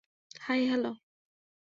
High, hello.